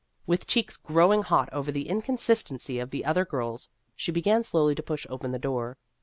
With cheeks growing hot over the inconsistency of the other girls, she began slowly to push open the door.